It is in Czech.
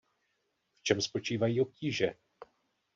V čem spočívají obtíže?